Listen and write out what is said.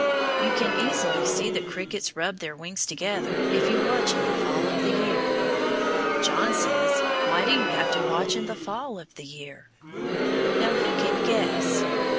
You can easily see the crickets rub their wings together if you watch in the fall of the year. John says, Why do you have to watch in the fall of the year? Now who can guess?